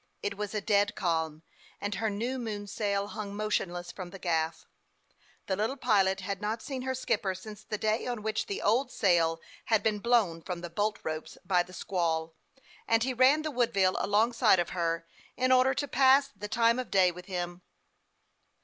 It was a dead calm, and her new main sail hung motionless from the gaff. The littls captain had not seen her skipper since the day on which the old sail had been blown from the bolt ropes by the squall ; and he ran the Woodville alongside of her, in order " to pass the time of day " with him.